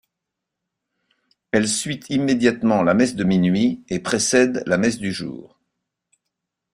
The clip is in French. Elle suit immédiatement la Messe de minuit et précède la Messe du Jour.